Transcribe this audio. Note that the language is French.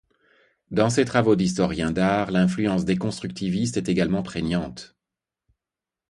Dans ses travaux d’historien d’art, l’influence déconstructiviste est également prégnante.